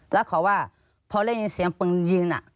แล้วเขาว่าพอได้ยินเสียงปืนยืน